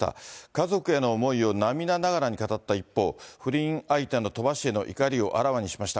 家族への思いを涙ながらに語った一方、不倫相手の鳥羽氏への怒りをあらわにしました。